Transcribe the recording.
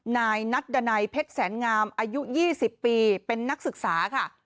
นายนัทดาไนเพชรแสนงามอายุยี่สิบปีเป็นนักศึกษาค่ะ